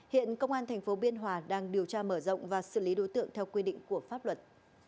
hiện công an tp biên hòa đang điều tra mở rộng và xử lý đối tượng theo quy định của pháp luật